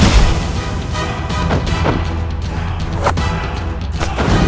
itu adalah untuk memusnahkan dewan wali